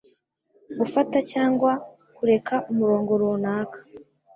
gufata cyangwa kureka umurongo runaka